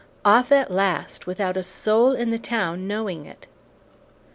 Off at last, without a soul in the town knowing it!